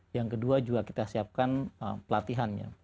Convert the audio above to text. yang kedua juga kita siapkan pelatihannya